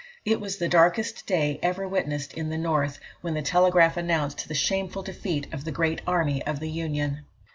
It was the darkest day ever witnessed in the North, when the telegraph announced the shameful defeat of the great army of the Union.